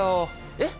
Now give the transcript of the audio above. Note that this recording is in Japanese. えっ？